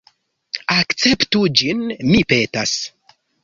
Akceptu ĝin, mi petas!